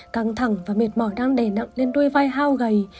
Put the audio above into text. căng thẳng và mệt mỏi đang đè nặng lên đôi vai hao gầy